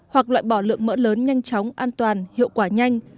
hoặc loại bỏ lượng mỡ lớn nhanh chóng an toàn hiệu quả nhanh